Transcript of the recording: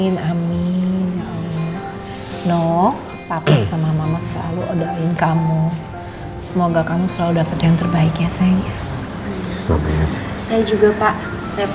no papa sama mama selalu odain kamu semoga kamu selalu dapat yang terbaik ya sayang